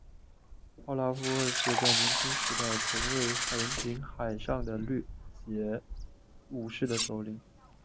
奥拉夫二世在年轻时代曾为横行海上的劫掠武士的首领。